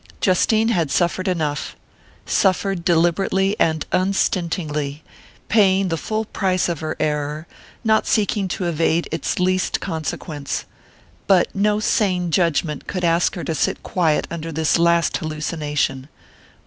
Justine had suffered enough suffered deliberately and unstintingly, paying the full price of her error, not seeking to evade its least consequence. But no sane judgment could ask her to sit quiet under this last hallucination.